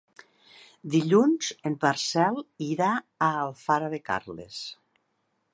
Dilluns en Marcel irà a Alfara de Carles.